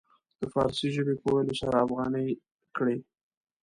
د فارسي ژبې په ويلو سره افغاني کړي.